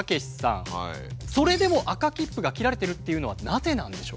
それでも赤切符が切られてるっていうのはなぜなんでしょうか？